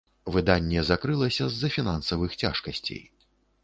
Выданне закрылася з-за фінансавых цяжкасцей.